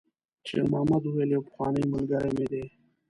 شېرمحمد وویل: «یو پخوانی ملګری مې دی.»